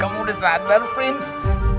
kamu udah sadar prince